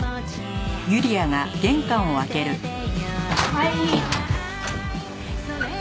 はい。